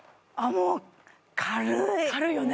もう軽いよね